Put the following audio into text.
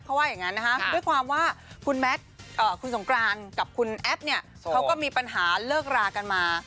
เขาว่าอย่างนั้นนะคะด้วยความว่าคุณแมทคุณสงกรานกับคุณแอฟเนี่ยเขาก็มีปัญหาเลิกรากันมา